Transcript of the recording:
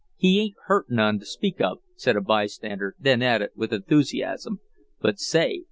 "He ain't hurt none to speak of," said a bystander; then added, with enthusiasm: "But say!